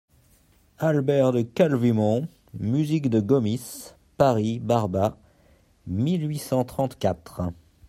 Albert de Calvimont, musique de Gomis (Paris, Barba, mille huit cent trente-quatre.